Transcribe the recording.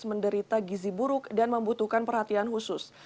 menderita gizi buruk dan membutuhkan perhatian khusus